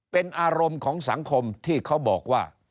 เป็นอารมณ์ของสังคมที่เขาบอกว่า